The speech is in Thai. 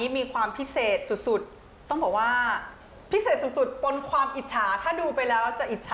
มีความพิเศษสุดต้องบอกว่าพิเศษสุดปนความอิจฉาถ้าดูไปแล้วจะอิจฉา